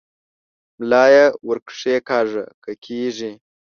ملا یې ور کښېکاږه که کېږي؟